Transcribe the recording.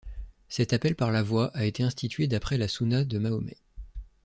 Cet appel par la voix a été institué d'après la sunna de Mahomet.